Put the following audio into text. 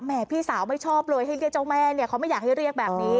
พี่สาวไม่ชอบเลยให้เรียกเจ้าแม่เนี่ยเขาไม่อยากให้เรียกแบบนี้